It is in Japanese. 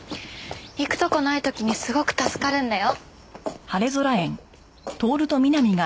行くとこない時にすごく助かるんだよ。